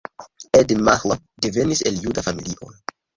Ede Mahler devenis el juda familio.